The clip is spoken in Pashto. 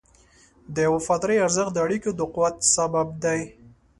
د وفادارۍ ارزښت د اړیکو د قوت سبب دی.